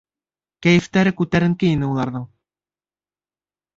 Кәйефтәре күтәренке ине уларҙың.